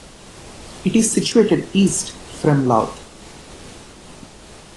It is situated east from Louth.